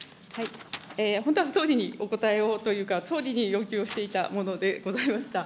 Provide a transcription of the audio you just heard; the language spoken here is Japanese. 本当は総理にお答えをというか、総理に要求をしていたものでございました。